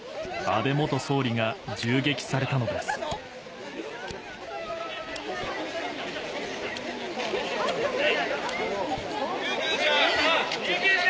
安倍元総理が銃撃されたので救急車！